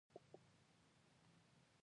ژبې د افغانانو د معیشت یوه طبیعي سرچینه ده.